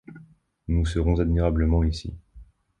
Nous serons admirablement ici.